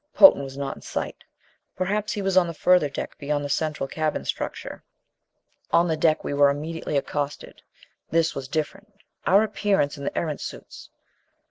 Potan was not in sight; perhaps he was on the further deck beyond the central cabin structure. On the deck, we were immediately accosted. This was different our appearance in the Erentz suits!